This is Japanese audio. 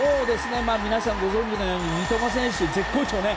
皆さんご存じのように三笘選手、絶好調ね。